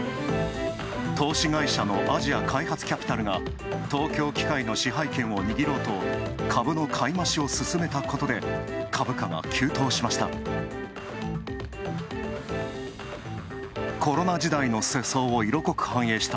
投資会社のアジア開発キャピタルが、東京機械の支配権をにぎろうと、株の買い増しをすすめたことで、株価が急騰しました。